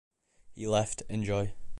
He left Enjoy!